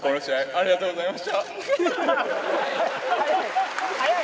ありがとうございます。